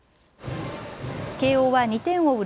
慶応は２点を追う